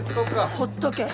ほっとけ。